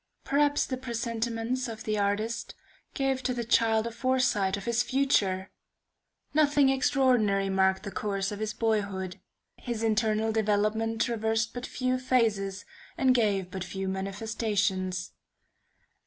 Perhaps the presentiments of the artist gave to the child a foresight of his future! Nothing extraordinary marked the course of his boyhood; his internal development traversed but few phases, and gave but few manifestations.